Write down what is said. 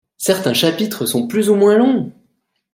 Certains chapitres sont plus ou moins longs.